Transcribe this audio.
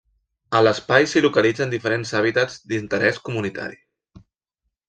A l’espai s’hi localitzen diferents hàbitats d’interès comunitari.